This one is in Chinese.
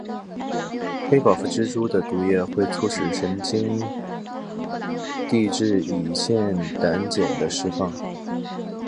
黑寡妇蜘蛛的毒液会促进神经递质乙酰胆碱的释放。